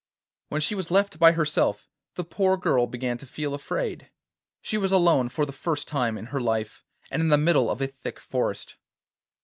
When she was left by herself the poor girl began to feel afraid. She was alone for the first time in her life, and in the middle of a thick forest.